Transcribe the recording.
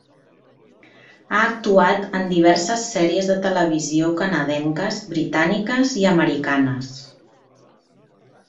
Ha actuat en diverses sèries de televisió canadenques, britàniques, i americanes.